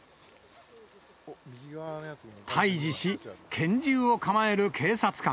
対じし、拳銃を構える警察官。